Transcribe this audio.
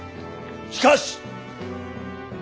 しかし！